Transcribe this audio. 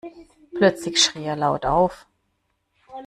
Plötzlich schrie er laut auf.